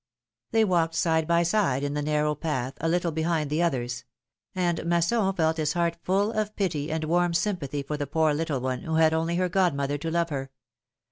They walked side by side in the narrow path, a little behind the others ; and Masson felt his heart full of pity and warm sympathy for the poor little one, who had only her godmother to love her.